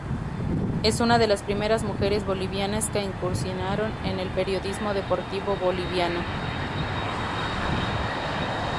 Es una de las primeras mujeres bolivianas que incursionaron en el periodismo deportivo boliviano.